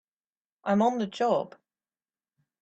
I'm on the job!